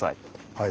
はい。